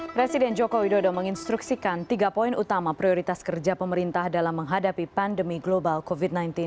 presiden joko widodo menginstruksikan tiga poin utama prioritas kerja pemerintah dalam menghadapi pandemi global covid sembilan belas